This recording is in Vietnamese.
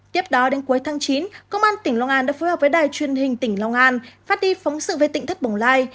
tiếp đó đến cuối tháng chín công an tỉnh long an đã phối hợp với đài truyền hình tỉnh long an phát đi phóng sự về tỉnh thất bồng lai